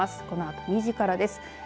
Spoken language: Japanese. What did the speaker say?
このあと２時からです。